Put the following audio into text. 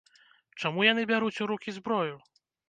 Чаму яны бяруць у рукі зброю?